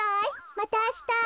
またあした。